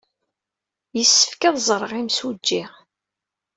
Yessefk ad ẓreɣ imsujji.